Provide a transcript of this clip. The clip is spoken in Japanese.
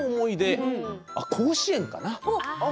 甲子園かな。